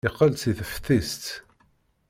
Yeqqel-d seg teftist.